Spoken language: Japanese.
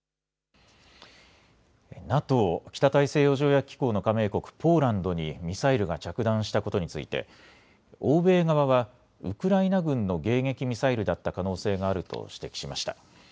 ＮＡＴＯ・北大西洋条約機構の加盟国・ポーランドにミサイルが着弾したことについて欧米側はウクライナ軍の迎撃ミサイルだった可能性があると指摘しました。